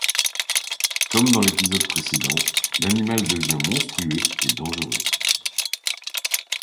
Comme dans l’épisode précédent, l’animal devient monstrueux et dangereux.